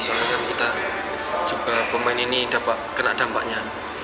soalnya kita juga pemain ini kena dampaknya